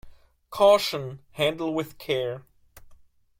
Caution, Handle with care.